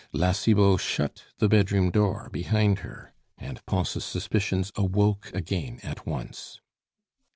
La Cibot shut the bedroom door behind her, and Pons' suspicions awoke again at once.